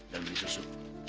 dan beli susu